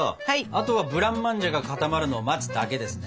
あとはブランマンジェが固まるのを待つだけですね。